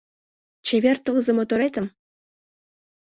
Чевер тылзе-моторетым